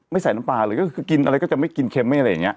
ใส่น้ำปลาเลยก็คือกินอะไรก็จะไม่กินเค็มไม่อะไรอย่างนี้